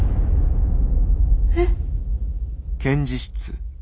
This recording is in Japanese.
えっ。